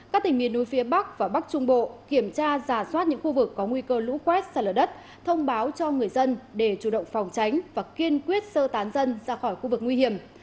các tỉnh miền núi phía bắc và bắc trung bộ kiểm tra giả soát những khu vực có nguy cơ lũ quét xa lở đất thông báo cho người dân để chủ động phòng tránh và kiên quyết sơ tán dân ra khỏi khu vực nguy hiểm